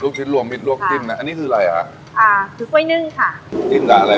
ลูกชิ้นรวมมิดรวบจิ้มะอันนี้คืออะไรคะอ่าคือกล้วยนึ่งค่ะจิ้มแต่อะไร